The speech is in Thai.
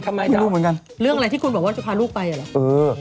เรื่องอะไรที่คุณบอกว่าจะพาลูกไป